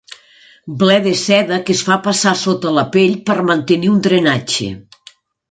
Ble de seda que es fa passar sota la pell per mantenir un drenatge.